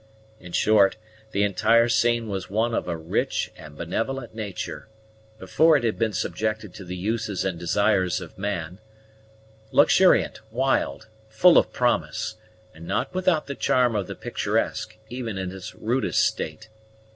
In short, the entire scene was one of a rich and benevolent nature, before it had been subjected to the uses and desires of man; luxuriant, wild, full of promise, and not without the charm of the picturesque, even in its rudest state.